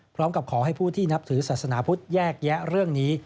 พร้อมกับขอให้ผู้ที่นับถือศาสนาพุทธแยกแยะเรื่องนี้